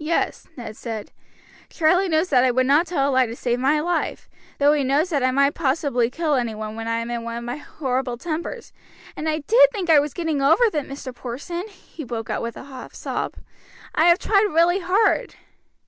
"Yes," Ned said, "Charlie knows that I would not tell a lie to save my life, though he knows that I might possibly kill any one when I am in one of my horrible tempers; and I did think I was getting over them, Mr. Porson!" he broke out with a half sob. "I have really tried hard."